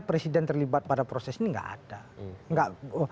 presiden terlibat pada proses ini nggak ada